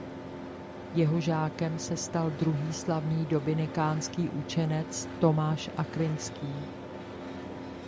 Jeho žákem se stal druhý slavný dominikánský učenec Tomáš Akvinský.